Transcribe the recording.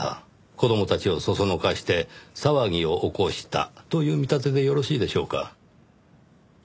子供たちを唆して騒ぎを起こしたという見立てでよろしいでしょうか？